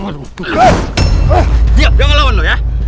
diam jangan lawan lu ya